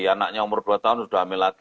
anaknya umur dua tahun sudah hamil lagi